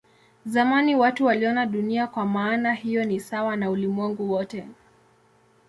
Zamani watu waliona Dunia kwa maana hiyo ni sawa na ulimwengu wote.